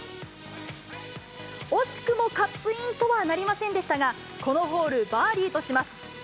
惜しくもカップインとはなりませんでしたが、このホール、バーディーとします。